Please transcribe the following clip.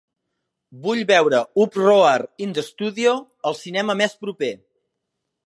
Vull veure Uproar in the Studio al cinema més proper